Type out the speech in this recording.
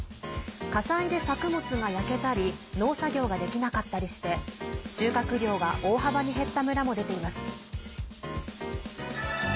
火災で作物が焼けたり農作業ができなかったりして収穫量が大幅に減った村も出ています。